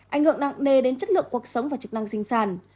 ảnh hưởng nặng nề đến chất lượng cuộc sống và chức năng sinh sản